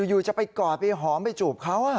อยู่จะไปกอดไปหอมไปจูบเขา